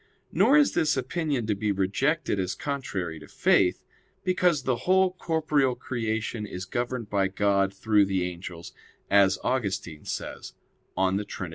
Nor is this opinion to be rejected as contrary to faith; because the whole corporeal creation is governed by God through the angels, as Augustine says (De Trin.